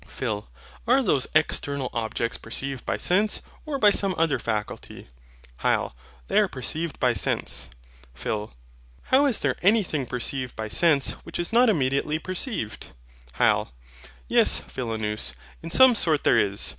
PHIL. Are those external objects perceived by sense or by some other faculty? HYL. They are perceived by sense. PHIL. Howl Is there any thing perceived by sense which is not immediately perceived? HYL. Yes, Philonous, in some sort there is.